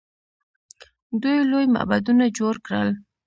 دوی لوی معبدونه جوړ کړل.